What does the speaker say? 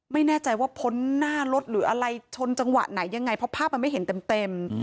ไม่เห็นเต็ม